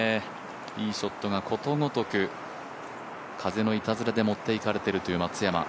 いいショットがことごとく風のいたずらで持っていかれているという松山。